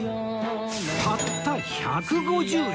たった１５０円！